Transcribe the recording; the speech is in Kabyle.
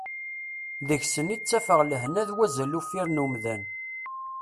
Deg-sen i ttafeɣ lehna d wazal uffir n umdan.